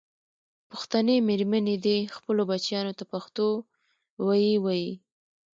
پښتنې مېرمنې دې خپلو بچیانو ته پښتو ویې ویي.